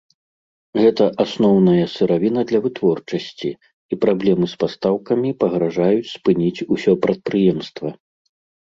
Гэта асноўная сыравіна для вытворчасці і праблемы з пастаўкамі пагражаюць спыніць усё прадпрыемства.